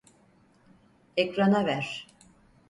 Ekrana ver.